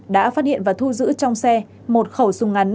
đã phát hiện và thu giữ trong xe một khẩu súng ngắn